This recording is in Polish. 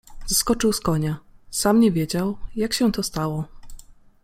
Zeskoczył z konia, sam nie wiedział, jak się to stało.